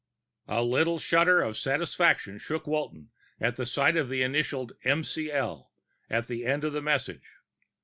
_ A little shudder of satisfaction shook Walton at the sight of the initialed McL. at the end of the message.